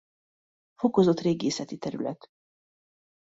Fokozott régészeti terület.